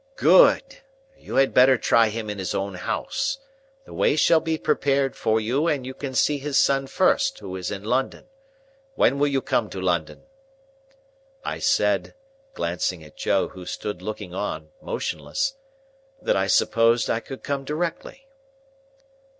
"Good. You had better try him in his own house. The way shall be prepared for you, and you can see his son first, who is in London. When will you come to London?" I said (glancing at Joe, who stood looking on, motionless), that I supposed I could come directly.